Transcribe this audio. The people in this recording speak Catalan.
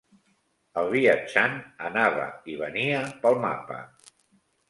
El viatjant anava i venia pel mapa